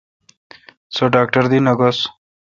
سو ڈاکٹر دی نہ گھوس۔